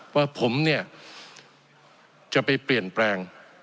ว่าผมเนี่ยจะไปเปลี่ยนแปลง